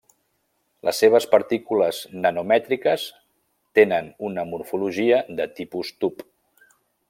Les seves partícules nanomètriques tenen una morfologia de tipus tub.